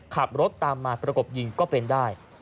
ขับรถตามมาประกบยิงก็เป็นได้